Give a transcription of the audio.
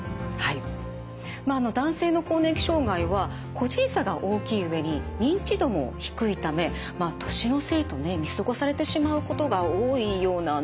男性の更年期障害は個人差が大きい上に認知度も低いため年のせいとね見過ごされてしまうことが多いようなんです。